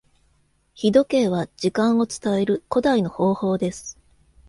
日時計は時間を伝える古代の方法です。